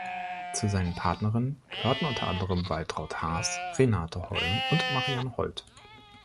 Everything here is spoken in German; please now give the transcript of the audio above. Zu seinen Partnerinnen gehörten unter anderem Waltraut Haas, Renate Holm und Marianne Hold.